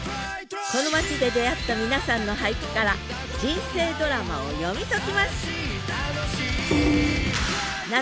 この町で出会った皆さんの俳句から人生ドラマを読み解きます！